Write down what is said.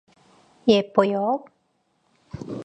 예뻐요?